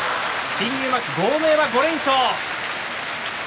新入幕、豪ノ山５連勝。